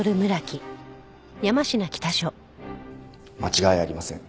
間違いありません。